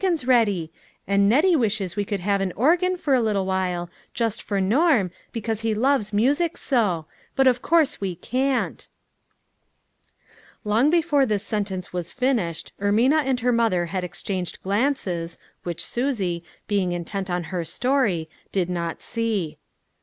ens ready ; and Nettie wishes we could have an organ for a little while, just for Norm, because he loves music so, but of course we can't." Long before this sentence was finished, Ermina and her mother had exchanged glances which Susie, being intent on her story, did not see.